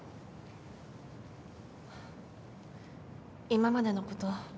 今までのこと